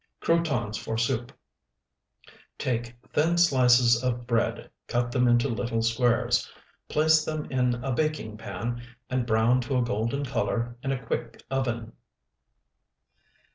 CROUTONS FOR SOUP Take thin slices of bread, cut them into little squares, place them in a baking pan, and brown to a golden color in a quick oven.